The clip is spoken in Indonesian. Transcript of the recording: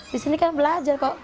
di sini kan belajar kok